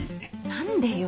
何でよ。